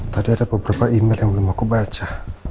tadi ada beberapa image yang belum aku baca